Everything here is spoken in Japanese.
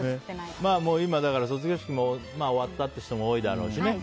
今、卒業式終わった人も多いだろうしね